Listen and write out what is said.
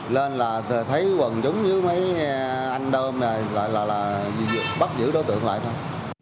nên là thấy quần chúng với mấy anh đôm này là bắt giữ đối tượng lại thôi